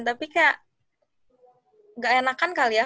tapi kayak gak enakan kali ya